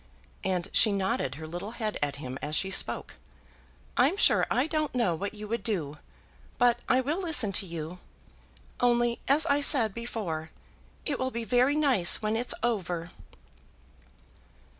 And she nodded her little head at him, as she spoke. "I'm sure I don't know what you would do. But I will listen to you. Only, as I said before, it will be very nice when it's over."